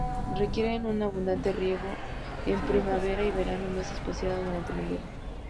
Requieren un abundante riego en primavera y verano, más espaciado durante el invierno.